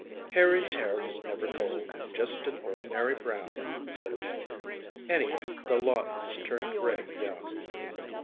‚ÄĚ “Harry’s hair was never gold just an ordinary brown,‚ÄĚ said Amelia. “Anyway, the Lawtons turned gray young.